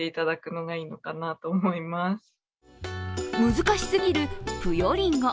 難しすぎる、ぷよりんご。